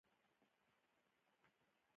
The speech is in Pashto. د امریکا د پولاد جوړولو تشکیل کامیاب شو